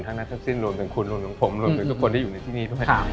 ทั้งนักทับสิ้นหรอกกว่าผมอย่างคนที่อยู่ในที่นี้